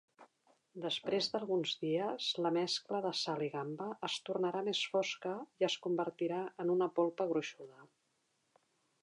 Després d'alguns dies, la mescla de sal i gamba es tornarà més fosca i es convertirà en una polpa gruixuda.